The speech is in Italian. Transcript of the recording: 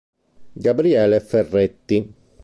Gabriele Ferretti